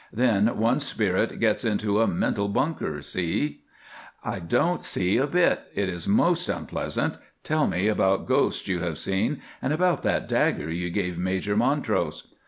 Then one's spirit gets into a mental bunker, you see." "I don't see a bit. It is most unpleasant. Tell me about ghosts you have seen, and about that dagger you gave Major Montrose."